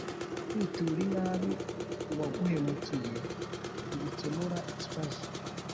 Kwitura inabi uwaguhemukiye ntibikemura ikibazo